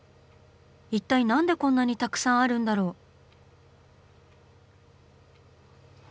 一体なんでこんなにたくさんあるんだろう？